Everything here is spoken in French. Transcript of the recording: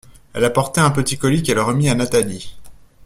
Elle apportait un petit colis, qu’elle remit à Nathalie.